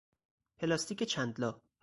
پلاستیک چند لا